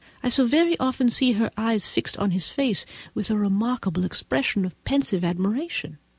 I so very often see her eyes fixed on his face with a remarkable expression of pensive admiration.